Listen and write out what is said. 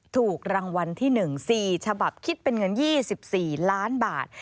ถูกรางวัลที่๑๔ฉบับคิดเป็นเงิน๒๔ล้านบาท